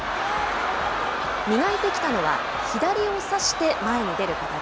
磨いてきたのは、左を差して前に出る形。